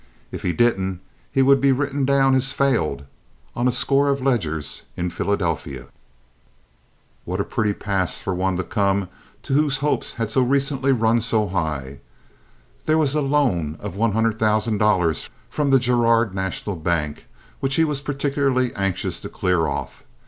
If he didn't he would be written down as "failed" on a score of ledgers in Philadelphia. What a pretty pass for one to come to whose hopes had so recently run so high! There was a loan of one hundred thousand dollars from the Girard National Bank which he was particularly anxious to clear off.